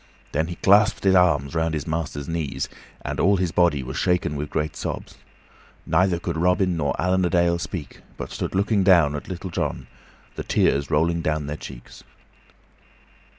Then he clasped his arms around the master's knees, and all his body was shaken with great sobs; neither could Robin nor Allan a Dale speak, but stood looking down at Little John, the tears rolling down their cheeks.